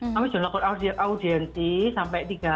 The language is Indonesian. kami sudah lakukan audiensi sampai tiga